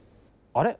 あれ？